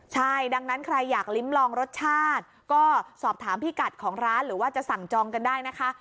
ใช่ดังนั้นใครอยากลิ้มลองรสชาติก็สอบถามพี่กัดของร้านหรือว่าจะสั่งจองกันได้นะคะ